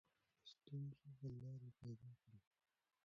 د ستونزو حل لارې پیدا کړئ.